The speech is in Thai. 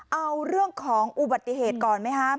เอาเรื่องของอุบัติเหตุก่อนไหมครับ